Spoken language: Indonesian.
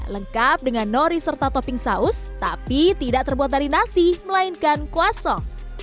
lekap dengan nori serta topping saus tapi tidak terbuat dari nasi melainkan kwasong